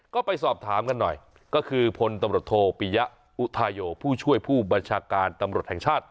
ก็ไปสอบถามกันหน่อยก็คือพลตำรวจโทปิยะอุทาโยผู้ช่วยผู้บัญชาการตำรวจแห่งชาติ